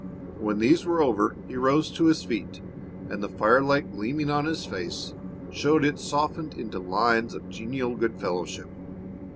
When these were over he rose to his feet, and the firelight gleaming on his face showed it softened into lines of genial good fellowship.